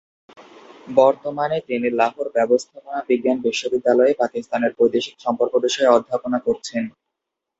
বর্তমানে তিনি লাহোর ব্যবস্থাপনা বিজ্ঞান বিশ্ববিদ্যালয়ে পাকিস্তানের বৈদেশিক সম্পর্ক বিষয়ে অধ্যাপনা করছেন।